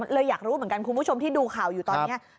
อยากรู้เหมือนกันคุณผู้ชมที่ดูข่าวอยู่ตอนนี้